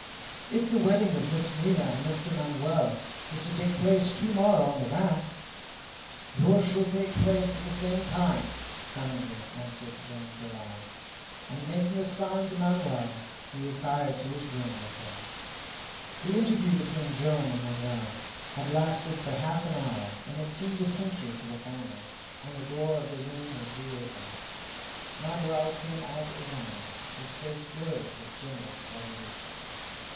"If the wedding of Miss Minha and Mr. Manoel is to take place to morrow on the raft " "Yours shall take place at the same time," kindly answered Joam Garral. And making a sign to Manoel, he retired to his room with him. The interview between Joam and Manoel had lasted for half an hour, and it seemed a century to the family, when the door of the room was reopened. Manoel came out alone; his face glowed with generous resolution.